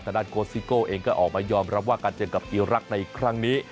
ด้านโคสิโก้เองก็ออกมายอมรับว่าการเจอกับอีรักษ์ในครั้งนี้